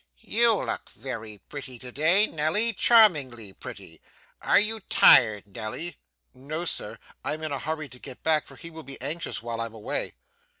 'You look very pretty to day, Nelly, charmingly pretty. Are you tired, Nelly?' 'No, sir. I'm in a hurry to get back, for he will be anxious while I am away.